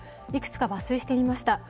いくつか抜粋してみました。